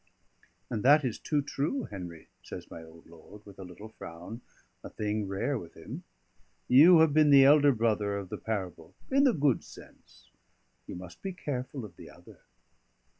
"And that is too true, Henry," says my old lord, with a little frown, a thing rare with him. "You have been the elder brother of the parable in the good sense; you must be careful of the other."